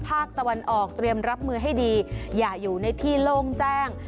ภาคตะวันออกเตรียมรับมือให้ดีอย่าอยู่ในที่โล่งแจ้ง